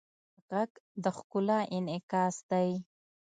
غږ د ښکلا انعکاس دی